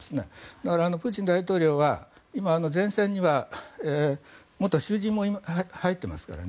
だから、プーチン大統領は今、前線には元囚人も入っていますからね。